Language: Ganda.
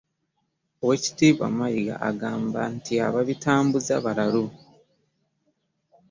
Oweekitiibwa Mayiga agamba nti ababitambuza balalu